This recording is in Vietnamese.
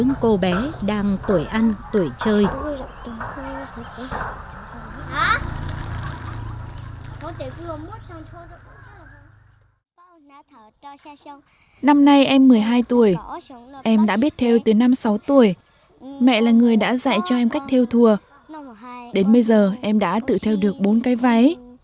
năm nay em một mươi hai tuổi em đã biết theo từ năm sáu tuổi mẹ là người đã dạy cho em cách theo thùa đến bây giờ em đã tự theo được bốn cái váy